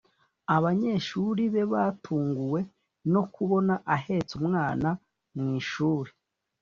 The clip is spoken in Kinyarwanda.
Abanyeshuri be batunguwe no kubona ahetse umwana mu ishuri